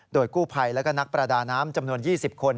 โดยกู้ภัยและก็นักประดาน้ำจำนวน๒๐คน